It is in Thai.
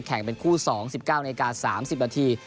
เป็นคู่๒๑๙นาที๓๐นาที